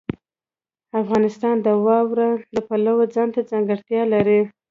افغانستان د واوره د پلوه ځانته ځانګړتیا لري.